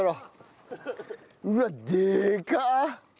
うわっでかっ！